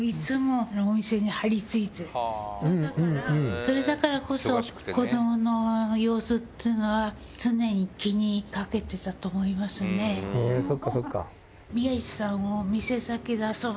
それだからこそ、子どもの様子っていうのは、常に気にかけてそうかそうか。